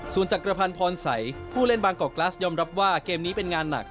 ส่วนจักรพันธ์พรสัยผู้เล่นบางกอกกลัสยอมรับว่าเกมนี้เป็นงานหนัก